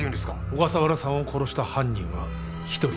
小笠原さんを殺した犯人は一人です。